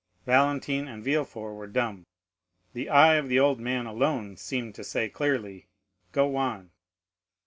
Valentine and Villefort were dumb; the eye of the old man alone seemed to say clearly, "Go on."